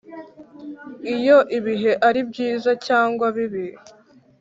iyo ibihe ari byiza cyangwa bibi.